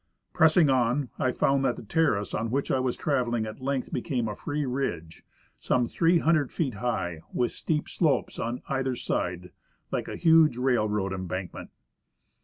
, Pressing on, I found that the terrace on which I was traveling at length became a free ridge, some three hundred feet high, with steep slopes on either side, like a huge railroad embankment.